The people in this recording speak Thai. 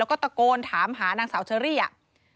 แล้วก็ตะโกนถามหานางสาวเชอรี่อ่ะ